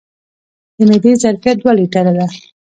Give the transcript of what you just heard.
د معدې ظرفیت دوه لیټره دی.